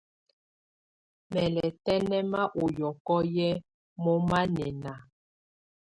Mɛ́ lɛ́ tɛ́nɛ́mayɔ ɔ yɔkɔ yɛ mɔmánɛna.